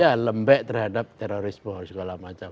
ya lembek terhadap terorisme segala macam